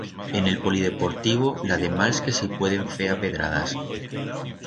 En el polideportivo, la de mals que se i pueden fer a pedradas.